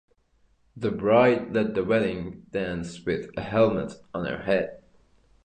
The bride led the wedding dance with a helmet on her head.